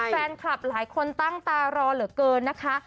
แฟนคลับหลายคนตั้งตารอเหลือเกินนะคะ